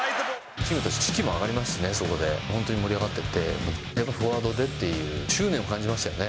チームとしてしきも上がりますしね、本当に盛り上がってて、やっぱりフォワードでっていう執念を感じましたよね。